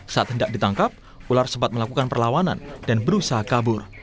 saat hendak ditangkap ular sempat melakukan perlawanan dan berusaha kabur